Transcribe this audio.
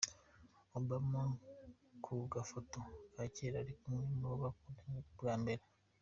Obama ku gafotto ka kera arikumwe nuwo bakundanye bwambere.